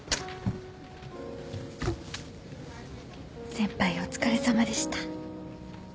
先輩お疲れさまでした。